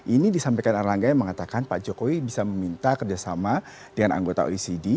ini disampaikan erlangga yang mengatakan pak jokowi bisa meminta kerjasama dengan anggota oecd